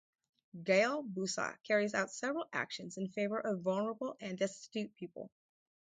Gael Bussa carries out several actions in favor of vulnerable and destitute people.